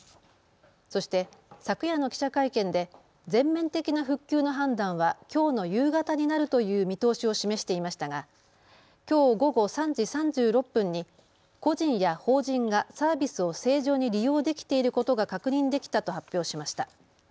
そして昨夜の記者会見で全面的な復旧の判断はきょうの夕方になるという見通しを示していましたがきょう午後３時３６分に個人や法人がサービスを正常に利用できていることが確認できたと発表しました。